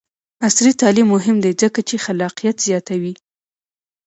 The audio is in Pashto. عصري تعلیم مهم دی ځکه چې خلاقیت زیاتوي.